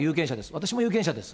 私も有権者です。